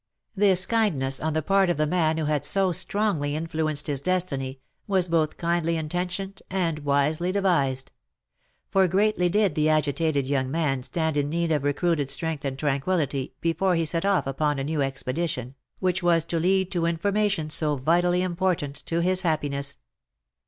This kind ness on the part of the man who had so strongly influenced his destiny, was both kindly intentioned and wisely devised ; for greatly did the agitated young man stand in need of recruited strength and tranquillity, before he set off upon a new expedition, which was to lead to information so vitally important to his happiness.